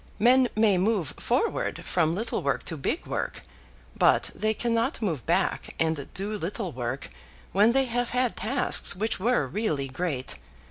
Men may move forward from little work to big work; but they cannot move back and do little work, when they have had tasks which were really great.